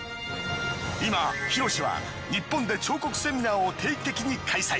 今ヒロシは日本で彫刻セミナーを定期的に開催。